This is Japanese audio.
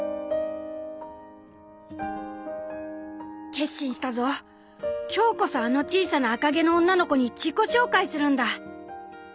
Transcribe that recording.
「決心したぞ今日こそあの小さな赤毛の女の子に自己紹介するんだ」。